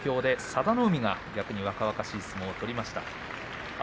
佐田の海逆に若々しい相撲を取りました。